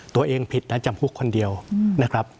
ตัวเองผิดนะจำคุกคนเดียวนะครับ